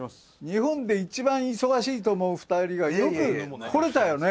日本で一番忙しいと思う２人がよく来れたよね。